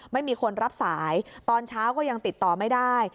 ไม่มีคนรับสายตอนเช้าก็ยังติดต่อไม่ได้